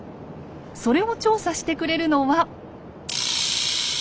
それを調査してくれるのは。